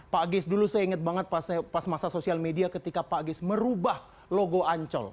pak geis dulu saya ingat banget pas masa sosial media ketika pak geis merubah logo ancol